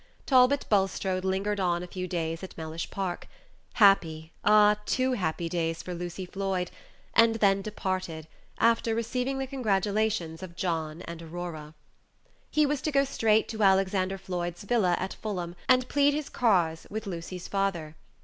Talbot Bulstrode lingered on a few days at Mellish Park happy, ah! too happy days for Lucy Floyd and then departed, after receiving the congratulations of John and Aurora. He was to go straight to Alexander Floyd's villa at Fulham, and plead his cause with Lucy's father.